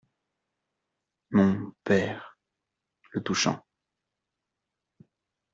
Mon… père… — Le touchant .